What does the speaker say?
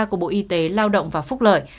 của bộ y tế lao động và phúc lợi